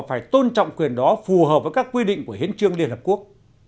phải tôn trọng quyền đó phù hợp với các quy định của hiến trương liên hợp quốc